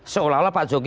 seolah olah pak jokowi